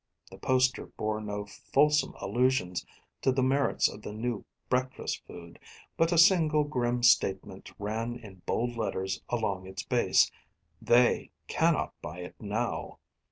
The poster bore no fulsome allusions to the merits of the new breakfast food, but a single grim statement ran in bold letters along its base: "They cannot buy it now."